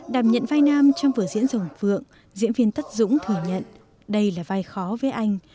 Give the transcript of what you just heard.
đàm nhận vai nam trong vở diễn rồng phượng diễn viên tất dũng thừa nhận đây là vai khó với anh